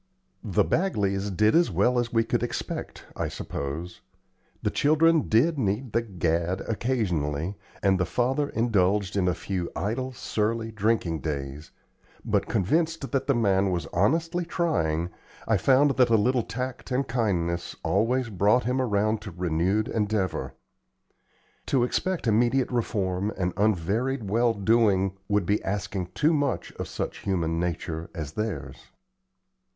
The Bagleys did as well as we could expect, I suppose. The children did need the "gad" occasionally and the father indulged in a few idle, surly, drinking days; but, convinced that the man was honestly trying, I found that a little tact and kindness always brought him around to renewed endeavor. To expect immediate reform and unvaried well doing would be asking too much of such human nature as theirs.